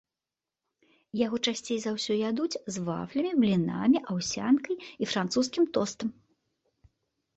Яго часцей за ўсё ядуць з вафлямі, блінамі, аўсянкай і французскім тостам.